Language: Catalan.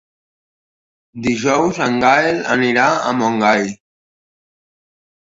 Dijous en Gaël anirà a Montgai.